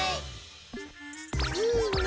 いいね！